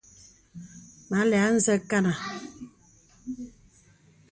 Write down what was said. Mə àlə̀ ā nzə kanà.